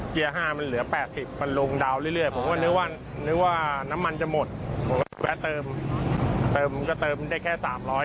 จะหมดผมก็แบบเติมเติมก็เติมได้แค่สามร้อย